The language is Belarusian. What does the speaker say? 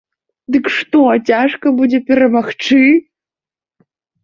Дык што, цяжка будзе перамагчы?